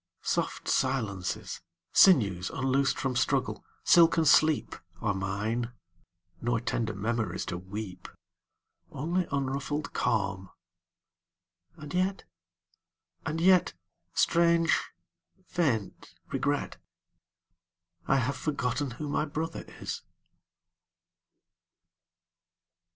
Soft silences, Sinews unloosed from struggle, silken sleep, 27 Are mine; nor tender memories to weep. Only unruffled calm; and yet — and yet — Strange, faint regret — I have forgotten who my brother is!